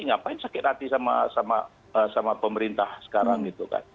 ngapain sakit hati sama pemerintah sekarang gitu kan